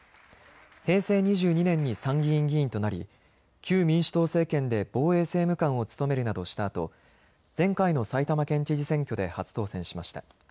平成２２年に参議院議員となり旧民主党政権で防衛政務官を務めるなどしたあと前回の埼玉県知事選挙で初当選しました。